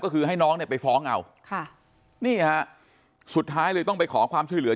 ก็คือให้น้องเนี่ยไปฟ้องเอาค่ะนี่ฮะสุดท้ายเลยต้องไปขอความช่วยเหลือ